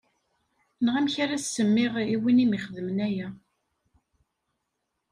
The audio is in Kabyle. Neɣ amek ara as-semmiɣ i win i am-ixedmen aya.